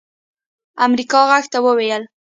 امريکا غږ ته وويل